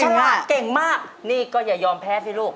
แล้วก็ฉลาดเก่งมากนี่ก็อย่ายอมแพ้สิลูก